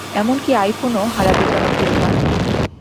এমনকি আইফোনও হারাবে জনপ্রিয়তা।